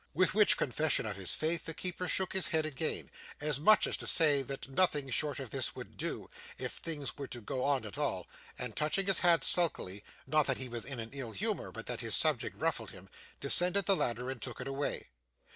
With which confession of his faith, the keeper shook his head again, as much as to say that nothing short of this would do, if things were to go on at all; and touching his hat sulkily not that he was in an ill humour, but that his subject ruffled him descended the ladder, and took it away.